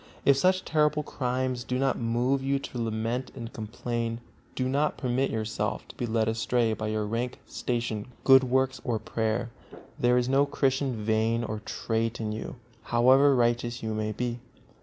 If such terrible crimes do not move you to lament and complain, do not permit yourself to be led astray by your rank, station, good works or prayer: there is no Christian vein or trait in you, however righteous you may be.